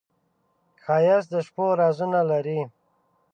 ښایست د شپو رازونه لري